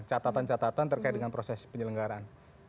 catatan catatan terkait dengan proses penyelenggaraan